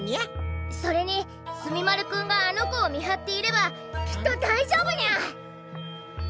それに墨丸君があの子を見張っていればきっとだいじょうぶニャ！